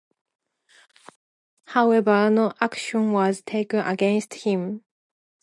However, no action was taken against him.